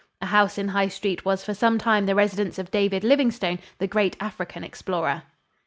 A house in High Street was for some time the residence of David Livingstone, the great African explorer.